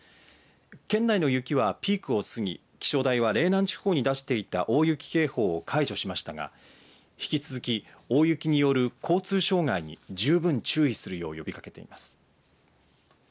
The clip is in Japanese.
県内の雪はピークを過ぎ気象台は嶺南地方に出していた大雪警報を解除しましたが引き続き、大雪による交通障害に十分注意するよう呼びかけています。